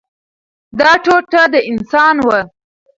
دا ټوټه د انسان وه.